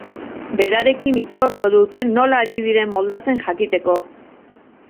Berarekin hitzordua dute nola ari diren moldatzen jakiteko.